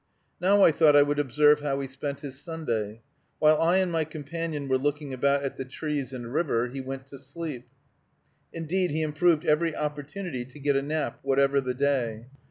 Now I thought I would observe how he spent his Sunday. While I and my companion were looking about at the trees and river, he went to sleep. Indeed, he improved every opportunity to get a nap, whatever the day.